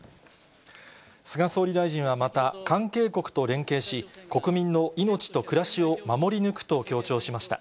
菅総理大臣は、また、関係国と連携し、国民の命と暮らしを守り抜くと強調しました。